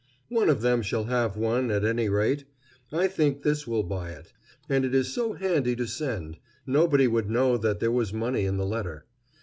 One of them shall have one, at any rate. I think this will buy it, and it is so handy to send. Nobody would know that there was money in the letter."